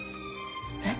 えっ？